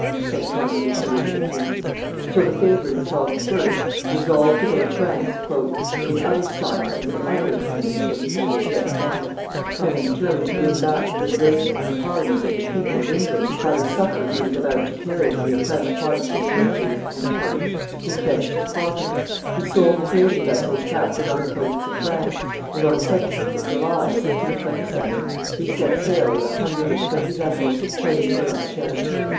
said Cardinal Richelieu to the king. So the favorite of Charles I. resolved to go to France "in other style and with other attendants than he had as yet done; having determined to win back the good graces of the Parliament and the people of England by the succor he was about to carry to the oppressed Protestant churches," he pledged his property; he sold the trading vessels captured on the coasts of France; and on the 17th of July, 1627, he set sail with a hundred and twenty vessels, heading for La Rochelle.